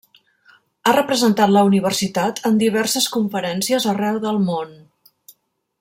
Ha representat la universitat en diverses conferències arreu del món.